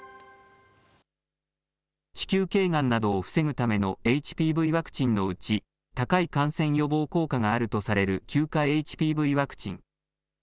子宮けいがんなどを防ぐためのＨＰＶワクチンのうち、高い感染予防効果があるとされる９価ＨＰＶワクチン。